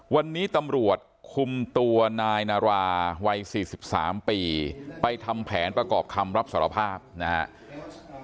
วันนี้ตำรวจคุมตัวนายนาราวัย๔๓ปีไปทำแผนประกอบคำรับสารภาพนะครับ